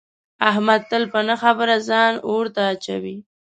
احمد تل په نه خبره ځان اور ته اچوي.